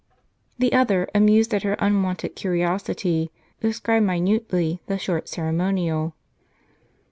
The other, amused at her unwonted curiosity, described minutely the short ceremonial.